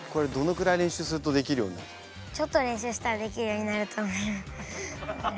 ちょっと練習したらできるようになると思います。